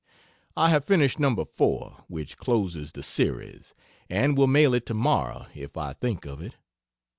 I have finished No. 4., which closes the series, and will mail it tomorrow if I think of it.